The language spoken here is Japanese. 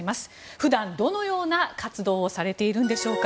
普段、どのような活動をされているんでしょうか。